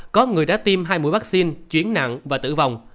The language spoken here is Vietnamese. có người đã tiêm hai mũi vaccine chuyển nặng và tử vong